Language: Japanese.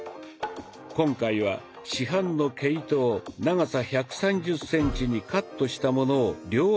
今回は市販の毛糸を長さ１３０センチにカットしたものを両足に巻きます。